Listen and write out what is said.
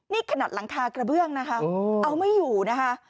นี่ขนาดหลังคากระเบื้องนะคะเอาไม่อยู่นะคะ